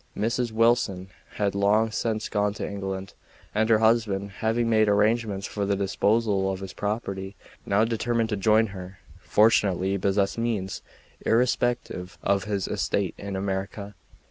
Mrs. Wilson had long since gone to England, and her husband, having made arrangements for the disposal of his property, now determined to join her. Fortunately he possessed means, irrespective of his estate in America.